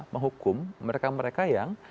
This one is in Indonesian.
menghukum mereka mereka yang